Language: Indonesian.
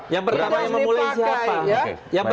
yang pertama yang memulai siapa